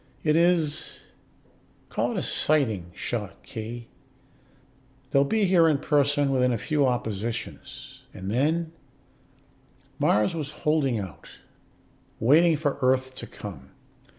It is call it a sighting shot, Khee. They'll be here in person within a few oppositions. And then " Mars was holding out, waiting for Earth to come.